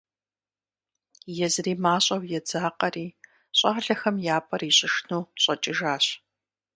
Езыри мащӀэу едзакъэри, щӀалэхэм я пӀэр ищӀыжыну щӀэкӀыжащ.